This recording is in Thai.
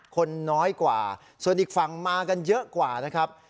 คนน้อยกว่าส่วนอีกฝั่งมากันเยอะกว่านะครับ